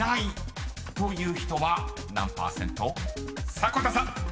［迫田さん］